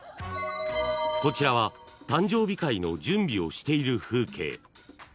［こちらは誕生日会の準備をしている風景］